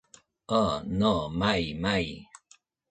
Oh no, mai, mai!